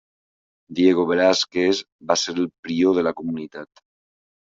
Diego Velázquez va ser el prior de la comunitat.